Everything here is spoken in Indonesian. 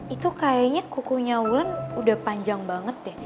itu kayaknya kukunya ulan udah panjang banget deh